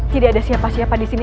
tidak ada siapa siapa di sini